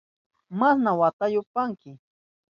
¿Masna watayuta payka?